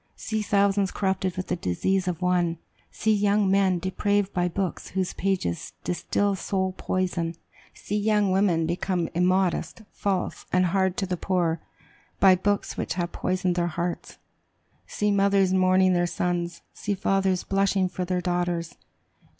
See thousands corrupted with the disease of one! See young men depraved by books whose pages distill soul poison! See young women become immodest, false, and hard to the poor, by books which have poisoned their hearts! See mothers mourning their sons! See fathers blushing for their daughters!